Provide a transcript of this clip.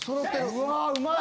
うわうまい。